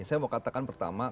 saya mau katakan pertama